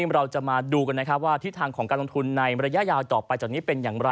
เราจะมาดูกันนะครับว่าทิศทางของการลงทุนในระยะยาวต่อไปจากนี้เป็นอย่างไร